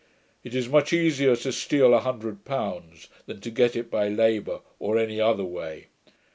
It is much easier to steal a hundred pounds, than to get it by labour, or any other way.